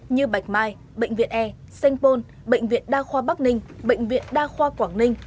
như bạch mai bệnh viện e sengpon bệnh viện đa khoa bắc ninh bệnh viện đa khoa quảng ninh